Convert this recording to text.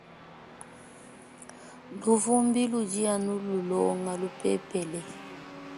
Luvumbi ludi anu lulonga lupepele.